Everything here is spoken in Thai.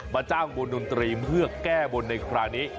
จ้างวงดนตรีเพื่อแก้บนในคราวนี้